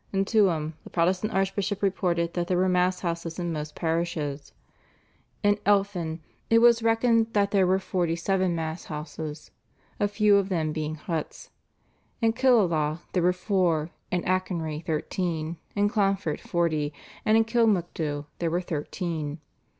In Tuam the Protestant archbishop reported that there were Mass houses in most parishes; in Elphin it was reckoned that there were forty seven "Mass houses," a few of them being huts; in Killala there were four, in Achonry thirteen, in Clonfert forty, and in Kilmacduagh there were thirteen.